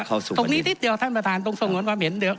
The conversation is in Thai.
เข้าสู่ตรงนี้ที่เดี๋ยวท่านประธานตรงส่วนความเห็นเดี๋ยว